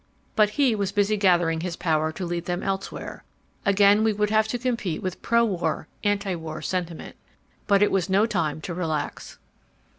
But he was busy gathering his power to lead them elsewhere. Again we would have to compete with pro war anti war sentiment. But it was no time to relax.